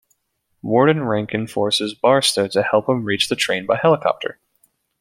Warden Ranken forces Barstow to help him reach the train by helicopter.